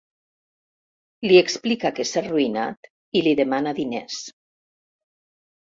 Li explica que s'ha arruïnat i li demana diners.